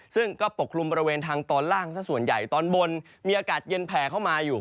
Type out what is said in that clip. ซึ่งก็ปกคลุมบริเวณทางตอนล่างสักส่วนใหญ่ตอนบนมีอากาศเย็นแผ่เข้ามาอยู่